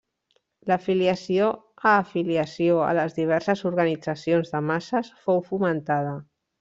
L'afiliació a afiliació a les diverses organitzacions de masses fou fomentada.